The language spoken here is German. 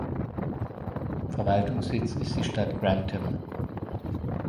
Verwaltungssitz ist die Stadt Grantham.